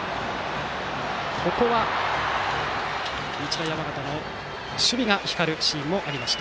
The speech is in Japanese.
ここは日大山形の守備が光るシーンもありました。